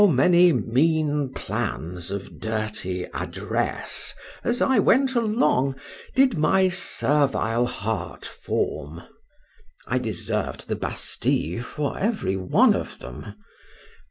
How many mean plans of dirty address, as I went along, did my servile heart form! I deserved the Bastile for every one of them.